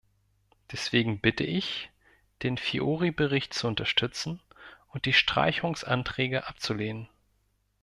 Deswegen bitte ich, den Fiori-Bericht zu unterstützen und die Streichungsanträge abzulehnen.